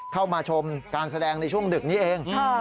เข้ามาชมการแสดงในช่วงดึกนี้เอง